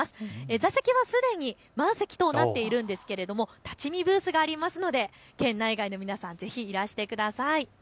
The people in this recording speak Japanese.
座席はすでに満席となっているんですが立ち見ブースがありますので県内外の皆さん、ぜひ、いらしてください。